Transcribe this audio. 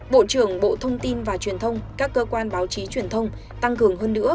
bộ trưởng bộ thông tin và truyền thông các cơ quan báo chí truyền thông tăng cường hơn nữa